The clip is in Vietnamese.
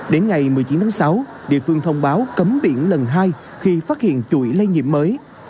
đến ngày một mươi chín tháng sáu địa phương thông báo cấm biển lần hai khi phát hiện chuỗi lây nhiễm mới